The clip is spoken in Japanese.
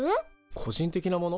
個人的なもの？